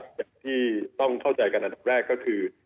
อย่างที่ต้องเข้าใจกันอันดับแรกก็คือ